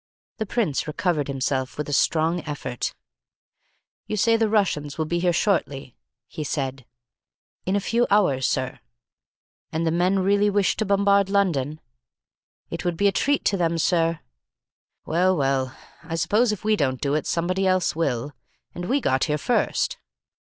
The Prince recovered himself with a strong effort. "You say the Russians will be here shortly?" he said. "In a few hours, sir." "And the men really wish to bombard London?" "It would be a treat to them, sir." "Well, well, I suppose if we don't do it, somebody else will. And we got here first."